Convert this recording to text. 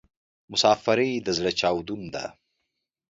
مسافري د ﺯړه چاودون ده